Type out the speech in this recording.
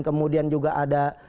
kemudian juga ada